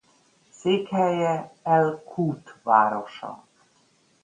Székhelye el-Kút városa.